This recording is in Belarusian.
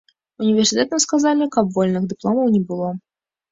Універсітэтам сказалі, каб вольных дыпломаў не было.